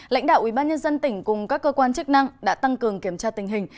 lãnh đạo ubnd tỉnh cùng các cơ quan chức năng đã tăng cường kiểm tra tình hình